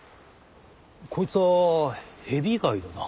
こいつはヘビ貝だな。